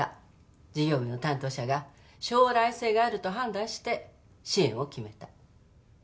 事業部の担当者が将来性があると判断して支援を決めた。